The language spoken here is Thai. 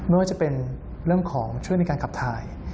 ไม่ว่าจะเป็นเรื่องของช่วยในการขับถ่าย